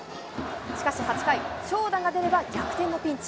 しかし８回、長打が出れば逆転のピンチ。